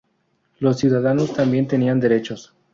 Los ciudadanos también tenían derechos